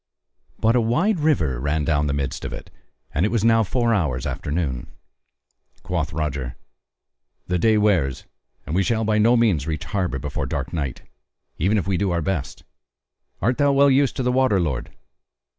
But a wide river ran down the midst of it; and it was now four hours after noon. Quoth Roger: "The day wears and we shall by no means reach harbour before dark night, even if we do our best: art thou well used to the water, lord?"